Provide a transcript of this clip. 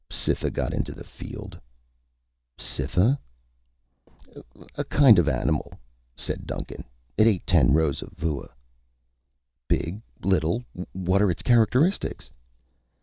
"Cytha got into the field." "Cytha?" "A kind of animal," said Duncan. "It ate ten rows of vua." "Big? Little? What are its characteristics?"